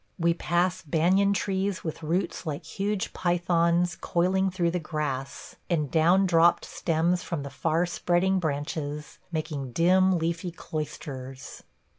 We pass banyan trees with roots like huge pythons coiling through the grass, and down dropped stems from the far spreading branches, making dim, leafy cloisters.